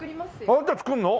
あなた作るの！？